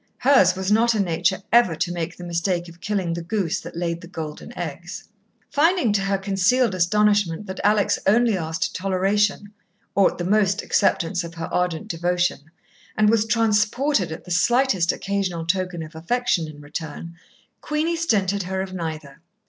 Hers was not a nature ever to make the mistake of killing the goose that laid the golden eggs. Finding to her concealed astonishment that Alex only asked toleration, or at the most acceptance of her ardent devotion, and was transported at the slightest occasional token of affection in return, Queenie stinted her of neither.